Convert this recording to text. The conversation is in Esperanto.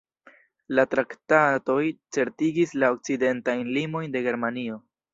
La traktatoj certigis la okcidentajn limojn de Germanio.